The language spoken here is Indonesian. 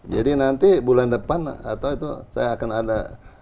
jadi nanti bulan depan atau itu saya akan ada